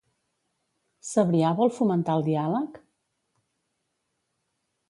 Sabrià vol fomentar el diàleg?